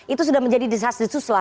itu sudah menjadi desas desuslah